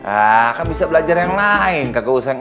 ah kak bisa belajar yang lain kakak usahanya